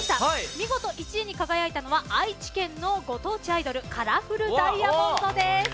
見事１位に輝いたのは愛知県のご当地アイドルカラフルダイヤモンドです。